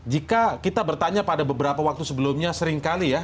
jika kita bertanya pada beberapa waktu sebelumnya seringkali ya